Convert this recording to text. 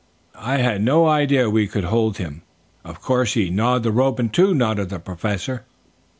"I had no idea we could hold him. Of course he gnawed the rope in two," nodded the Professor.